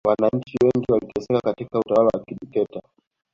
wananchi wengi waliteseka katika utawala wa kidikteta